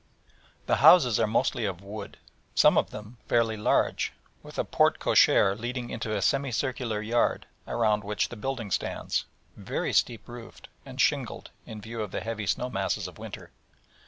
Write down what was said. The houses are mostly of wood, some of them fairly large, with a porte cochère leading into a semi circular yard, around which the building stands, very steep roofed, and shingled, in view of the heavy snow masses of winter.